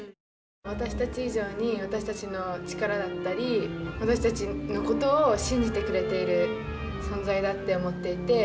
私たち以上に私たちの力だったり私たちのことを信じてくれている存在だって思っていて。